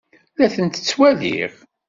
La tent-ttwaliɣ.